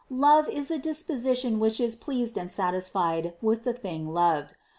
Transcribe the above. Love is a disposition which is pleased and satisfied with the thing loved.